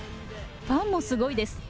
ファンもすごいです。